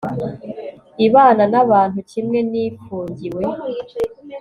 ibana n abantu kimwe n ifungiwe